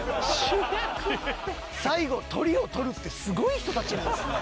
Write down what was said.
最後トリを取るってすごい人たちなんですね。